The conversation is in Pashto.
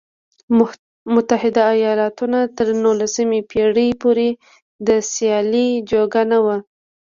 متحده ایالتونه تر نولسمې پېړۍ پورې د سیالۍ جوګه نه و.